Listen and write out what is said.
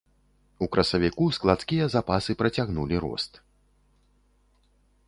У красавіку складскія запасы працягнулі рост.